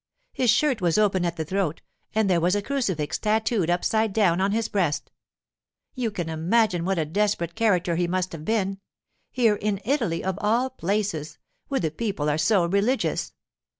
His shirt was open at the throat, and there was a crucifix tattooed upside down on his breast. You can imagine what a desperate character he must have been—here in Italy of all places, where the people are so religious.